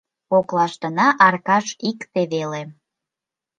— Коклаштына Аркаш икте веле.